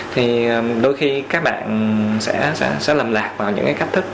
thì đôi khi các bạn sẽ lần lạc vào những cái cách thức